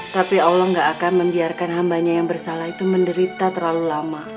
tapi allah gak akan membiarkan hambanya yang bersalah itu menderita terlalu lama